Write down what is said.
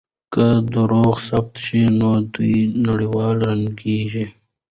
که دروغ ثابت شي نو د دوی نړۍ ړنګېږي.